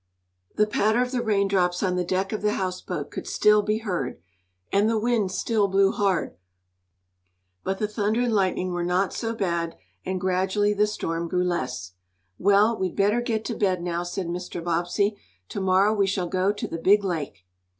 The patter of the raindrops on the deck of the houseboat could still be heard, and the wind still blew hard. But the thunder and lightning were not so bad, and gradually the storm grew less. "Well, we'd better get to bed now," said Mr. Bobbsey. "To morrow we shall go to the big lake."